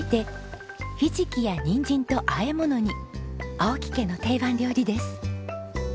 青木家の定番料理です。